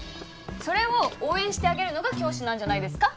それを応援してあげるのが教師なんじゃないですか？